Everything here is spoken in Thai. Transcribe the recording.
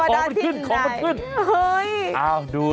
โอ้ยดู